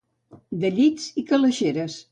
De llits i calaixeres.